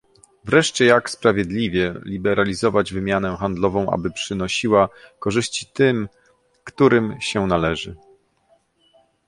Wreszcie jak sprawiedliwie liberalizować wymianę handlową, aby przynosiła korzyści tym, którym się należy?